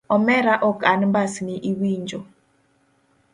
Omera ok anmbasni iwinjo